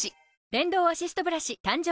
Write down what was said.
電動アシストブラシ誕生